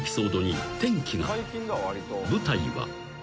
［舞台は］